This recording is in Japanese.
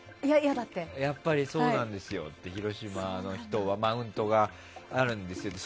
やっぱりそうなんですよって広島の人はマウントがあるんですよって。